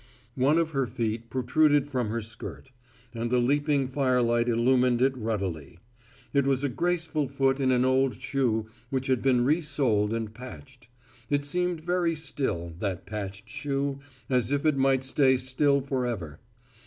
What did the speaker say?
One of her feet protruded from her skirt, and the leaping firelight illumined it ruddily. It was a graceful foot in an old shoe which had been re soled and patched. It seemed very still, that patched shoe, as if it might stay still forever.